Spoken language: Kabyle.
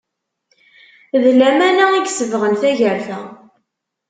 D lamana i isebɣen tagerfa.